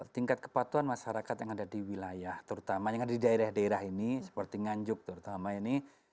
tingkat kepatuhan masyarakat yang ada di wilayah terutama yang ada di daerah daerah ini seperti nganjuk terutama ini